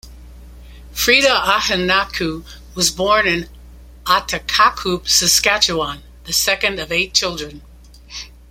Freda Ahenakew was born in Ahtahkakoop, Saskatchewan, the second of eight children.